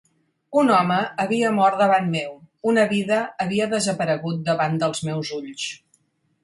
Un home havia mort davant meu; una vida havia desaparegut davant dels meus ulls.